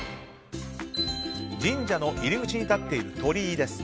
神社の入り口に立っている鳥居です。